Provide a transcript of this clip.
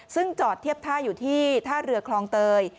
ซึ่งจอดเทียบท่าอยู่ที่ท่าเรือคลองเตย